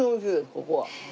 ここは。